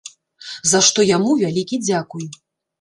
За што яму вялікі дзякуй.